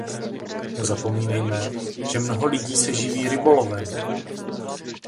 Nezapomínejme, že mnoho lidi se živí rybolovem.